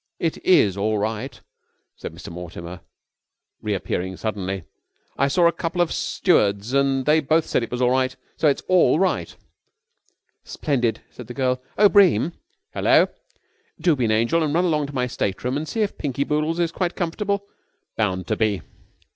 "It is all right," said Mr. Mortimer, re appearing suddenly. "I saw a couple of stewards and they both said it was all right. So it's all right." "Splendid," said the girl. "Oh, Bream!" "Hello?" "Do be an angel and run along to my stateroom and see if Pinky Boodles is quite comfortable." "Bound to be."